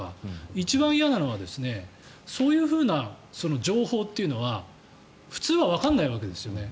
一番嫌なのはそういう情報というのは普通はわからないわけですよね。